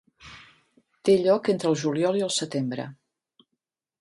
Té lloc entre el juliol i el setembre.